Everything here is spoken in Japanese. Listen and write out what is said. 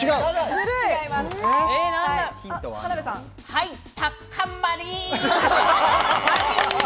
はい、タッカンマリ。